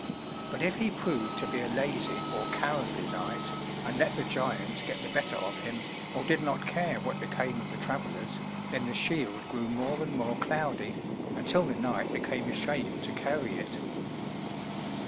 But if he proved to be a lazy or cowardly knight, and let the giants get the better of him, or did not care what became of the travelers, then the shield grew more and more cloudy, until the knight became ashamed to carry it.